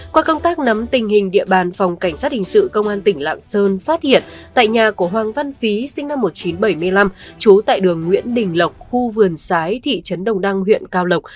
qua công tác nắm tình hình địa bàn phòng cảnh sát hình sự công an tỉnh lạng sơn phát hiện tại nhà của hoàng văn phí sinh năm một nghìn chín trăm bảy mươi năm trú tại đường nguyễn đình lộc khu vườn sái thị trấn đồng đăng huyện cao lộc